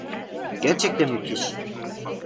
Gerçekten müthiş.